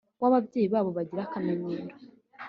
wababyeyi babo Bagira akamenyero